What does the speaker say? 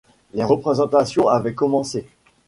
Les représentations avaient commencé.